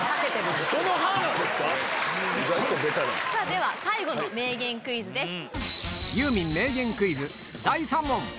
では最後の名言クイズです。